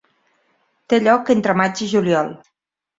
Té lloc entre maig i juliol.